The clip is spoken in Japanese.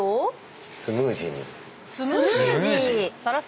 スムージーに。